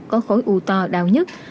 có khối u to đau nhất